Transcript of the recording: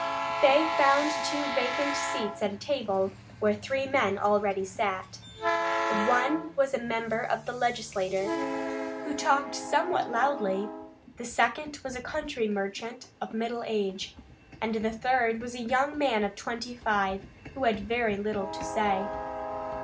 They found two vacant seats at a table, where three men already sat. One was a member of the Legislature, who talked somewhat loudly; the second was a country merchant of middle age, and the third was a young man of twenty five, who had very little to say.